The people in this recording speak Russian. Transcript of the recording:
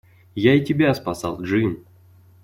Я и тебя спасал, Джим.